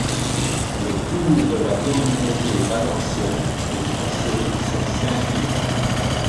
Le Tour de la Communauté valencienne est tracé sur cinq étapes.